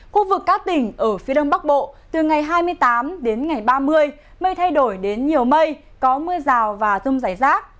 khu vực các tỉnh ở phía đông bắc bộ từ ngày hai mươi tám đến ngày ba mươi mây thay đổi đến nhiều mây có mưa rào và rông rải rác